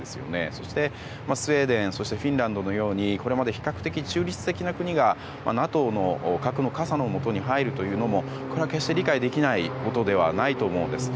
そして、スウェーデンフィンランドのようにこれまで比較的中立的な国がＮＡＴＯの核の傘のもとに入るというのも決して理解できないことではないと思うんです。